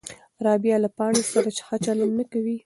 رابعه له پاڼې سره ښه چلند نه کوي.